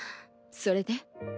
それで？